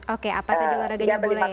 oke apa saja olahraganya bola ya